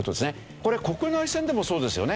これ国内線でもそうですよね。